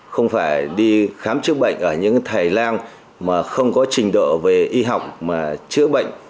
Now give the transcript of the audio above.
không phải đi khám chữa bệnh ở những thầy lang mà không có trình độ về y học mà chữa bệnh